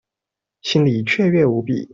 心裡雀躍無比